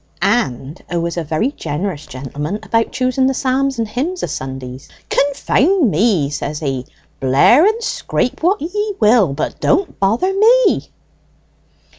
"And 'a was a very jinerous gentleman about choosing the psalms and hymns o' Sundays. 'Confound ye,' says he, 'blare and scrape what ye will, but don't bother me!'"